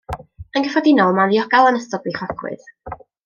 Yn gyffredinol mae'n ddiogel yn ystod beichiogrwydd.